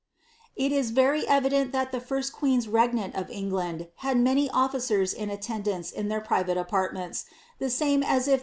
Il in very evident thai the first queens regnant of England had ml officers in attendance in their private apartments, the same as if tl BI.